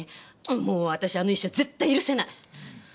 もう私あの医者絶対許せない！